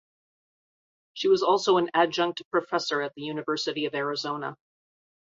She was also an adjunct professor at the University of Arizona.